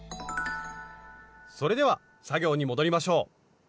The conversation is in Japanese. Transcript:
それでは作業に戻りましょう。